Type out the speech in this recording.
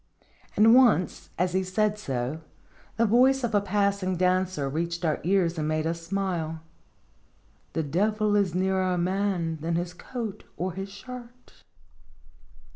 And once, as he said so, the voice of a passing dancer reached our ears, and made us smile: " The Devil is nearer a man than his coat or his shirt."